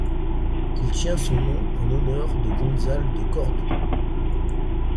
Il tient son nom en honneur de Gonzalve de Cordoue.